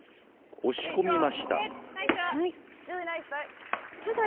押し込みました。